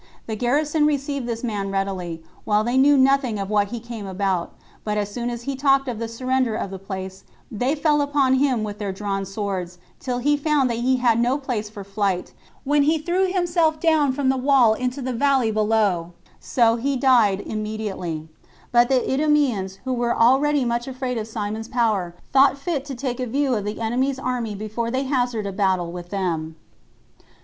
The garrison received this man readily, while they knew nothing of what he came about; but as soon as he talked of the surrender of the place, they fell upon him with their drawn swords, till he found that he had no place for flight, when he threw himself down from the wall into the valley beneath; so he died immediately: but the Idumeans, who were already much afraid of Simon's power, thought fit to take a view of the enemy's army before they hazarded a battle with them.